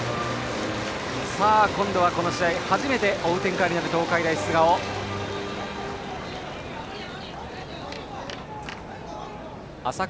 今度は、この試合初めて追う展開になる東海大菅生。